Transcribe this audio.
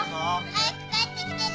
早く帰ってきてね。